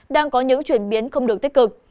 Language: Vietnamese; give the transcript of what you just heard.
đang có những chuyển biến không được tích cực